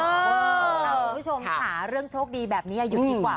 สาหรับคุณผู้ชมค่ะเรื่องโชคดีแบบนี้อายุดีกว่า